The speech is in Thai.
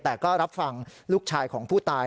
แต่ก็รับฟังลูกชายของผู้ตาย